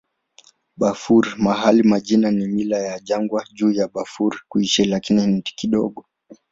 Bafur mahali pa majina na mila ya jangwa juu ya Bafur kuishi, lakini kidogo.